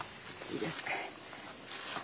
いいですか。